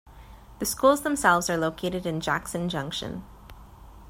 The schools themselves are located in Jackson Junction.